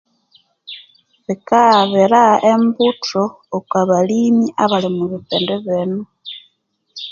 Bikaghabira embuthu okwa balimi abali omo bipindi bino